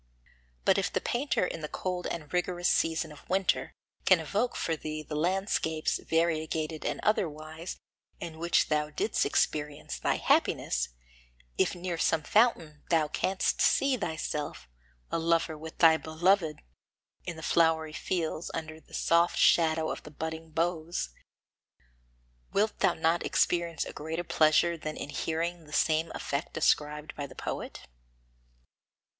But if the painter in the cold and rigorous season of winter can evoke for thee the landscapes, variegated and otherwise, in which thou didst experience thy happiness; if near some fountain thou canst see thyself, a lover with thy beloved, in the flowery fields, under the soft shadow of the budding boughs, wilt thou not experience a greater pleasure than in hearing the same effect described by the poet?